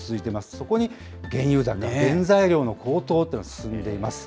そこに原油高、原材料の高騰っていうのが進んでいます。